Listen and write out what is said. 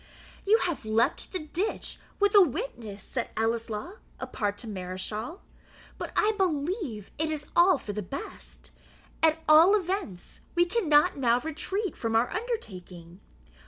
"You have leaped the ditch with a witness," said Ellieslaw, apart to Mareschal; "but I believe it is all for the best; at all events, we cannot now retreat from our undertaking.